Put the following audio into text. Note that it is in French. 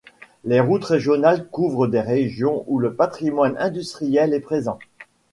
Les routes régionales couvrent des régions où le patrimoine industriel est présent.